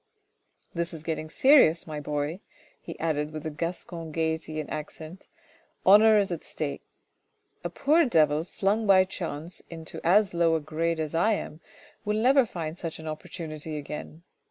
" This is getting serious, my boy," he added with a Gascon gaiety and accent. " Honour is at stake. A poor devil flung by chance into as low a grade as I am will never find such an opportunity again.